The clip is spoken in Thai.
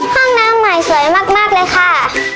ห้องน้ำใหม่สวยมากเลยค่ะ